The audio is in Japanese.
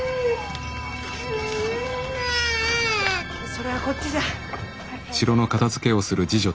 それはこっちじゃ。